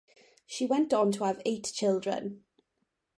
She went on to have eight children.